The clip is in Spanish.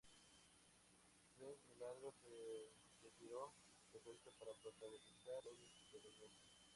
Flynn, sin embargo, se retiró del proyecto para protagonizar "Robin de los bosques".